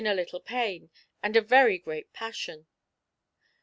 a little pain and a very great passion.